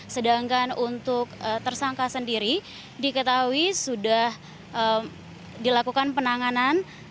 sedangkan untuk tersangka sendiri diketahui sudah dilakukan penanganan